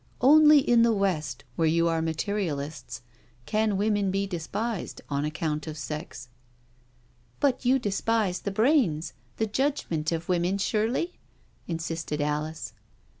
Only in the West, where you are materialists, can women be despised on account of sex '•" But you despise the brains, the judgment, of women, surely?" insisted Alice.